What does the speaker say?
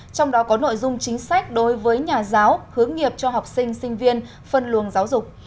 trong đó có nội dung chính sách đối với nhà giáo hướng nghiệp cho học sinh sinh viên phân luồng giáo dục